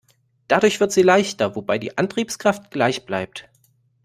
Dadurch wird sie leichter, wobei die Antriebskraft gleich bleibt.